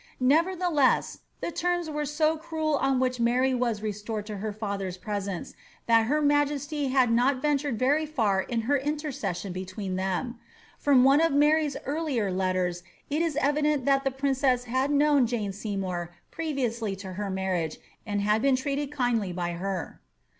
Nevertheless, the terms were so cruel on which Mary was restored to her &ther'i presence, that her majesty had not ventured very far in her intercession between them. From one of Mary's earlier letters it is evident that the princess had known Jane Seymour previously to her marriage, and had been treated kindly by her.